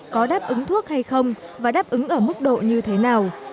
có đáp ứng thuốc hay không và đáp ứng ở mức độ như thế nào